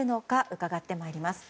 伺ってまいります。